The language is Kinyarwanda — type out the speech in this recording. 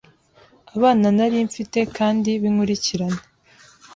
abana nari mfite kandi b’inkurikirane.